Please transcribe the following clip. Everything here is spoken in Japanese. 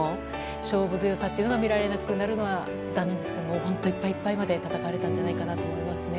勝負強さというのが見られなくなるのが残念ですが本当にいっぱいいっぱいまで戦われたんじゃないかと思います。